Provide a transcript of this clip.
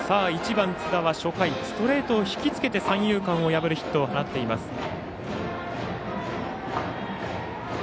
１番、津田は初回ストレートを引きつけて三遊間を破るヒットを放っています。